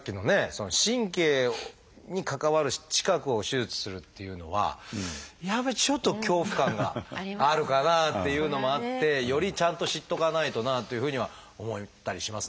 神経に関わる近くを手術するっていうのはやっぱりちょっと恐怖感があるかなっていうのもあってよりちゃんと知っとかないとなというふうには思ったりしますね。